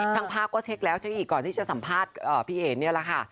ช่างภาพก็เช็คแล้วเช็คอีกก่อนที่จะสัมภาษณ์พี่เอ๋เนี่ยแหละค่ะ